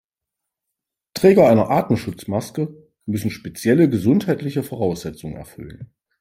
Träger einer Atemschutzmaske müssen spezielle gesundheitliche Voraussetzungen erfüllen.